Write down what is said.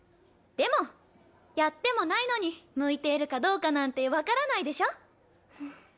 でもやってもないのに向いているかどうかなんて分からないでしょ？